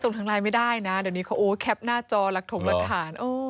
ทางไลน์ไม่ได้นะเดี๋ยวนี้เขาโอ้แคปหน้าจอหลักถงหลักฐาน